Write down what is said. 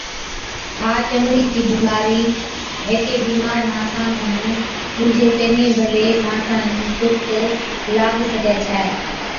ها چمڙي چِي بِيمارِي هيڪي بِيمار ماڻسا کن ڏُوجي چڱي ڀلي ماڻسا نُون تُرت لاگ سِگھَي ڇَي